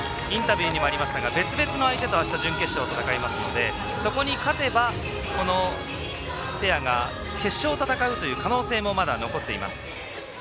インタビューにもありましたが別々の相手とあした、準決勝を戦いますのでそこで勝てばこのペアが決勝を戦うという可能性もまだ残っています。